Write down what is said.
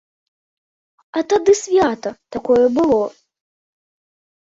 А тады свята такое было.